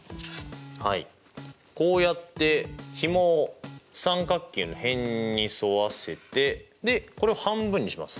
はいこうやってひもを三角形の辺に沿わせてでこれを半分にします。